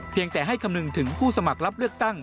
แต่ให้คำนึงถึงผู้สมัครรับเลือกตั้ง